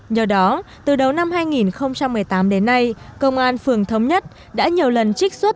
nhờ đó từ đầu năm hai nghìn một mươi tám đến nay công an phường thống nhất đã nhiều lần trích xuất